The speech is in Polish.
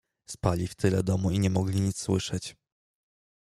"Spali w tyle domu i nie mogli nic słyszeć."